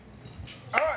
あっ！